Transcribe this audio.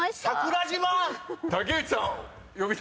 ⁉竹内さん。